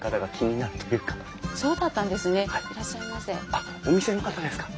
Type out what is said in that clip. あっお店の方ですか？